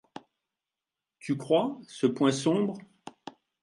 Tu crois, ce point sombre.